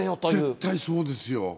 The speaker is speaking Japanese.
絶対そうですよ。